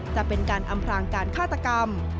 จะเป็นการอำพลางการฆาตกรรม